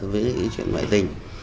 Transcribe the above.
với cái chuyện ngoại tình